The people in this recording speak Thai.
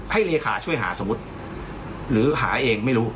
เลขาช่วยหาสมมุติหรือหาเองไม่รู้